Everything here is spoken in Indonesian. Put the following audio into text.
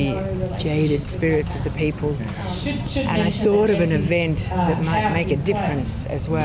dan saya berpikir tentang event yang bisa membuat perbedaan juga